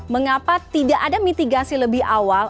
mengapa tidak ada mitigasi lebih awal